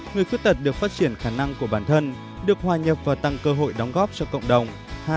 người khuyết tật được phát triển khả năng của bản thân được hòa nhập và tăng cơ hội đóng góp cho cộng đồng